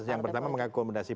yang pertama mengakomodasi